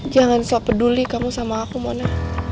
jangan soal peduli kamu sama aku mona